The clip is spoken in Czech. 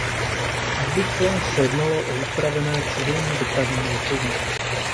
Obvykle se jednalo o upravené civilní dopravní letouny.